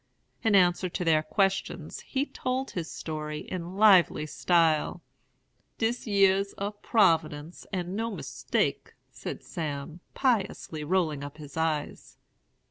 In answer to their questions, he told his story in lively style. 'Dis yere's a providence, and no mistake,' said Sam, piously rolling up his eyes.